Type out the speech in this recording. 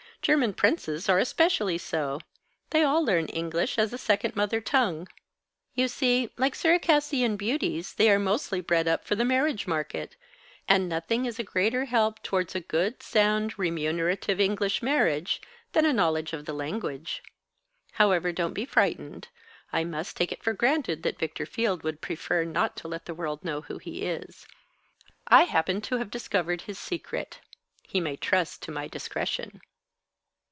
German princes are especially so. They all learn English, as a second mother tongue. You see, like Circassian beauties, they are mostly bred up for the marriage market; and nothing is a greater help towards a good sound remunerative English marriage, than a knowledge of the language. However, don't be frightened. I must take it for granted that Victor Field would prefer not to let the world know who he is. I happen to have discovered his secret. He may trust to my discretion."